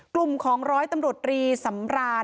กลุ่มของร้อยตำรดฤทธิ์สำรา